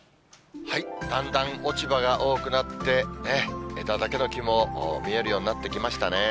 だんだん、落ち葉が多くなって、枝だけの木も見えるようになってきましたね。